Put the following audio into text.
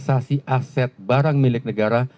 aset barang milik negara